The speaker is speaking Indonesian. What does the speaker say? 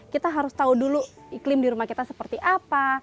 kita harus tahu dulu iklim di rumah kita seperti apa